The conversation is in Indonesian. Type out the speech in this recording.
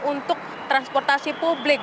untuk transportasi publik